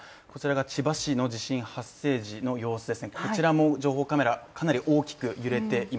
千葉市の地震発生時の様子です。